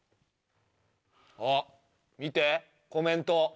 あっ見てコメント。